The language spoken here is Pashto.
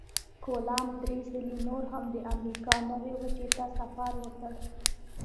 کولمب درې ځلې نور هم د امریکا نوي وچې ته سفر وکړ.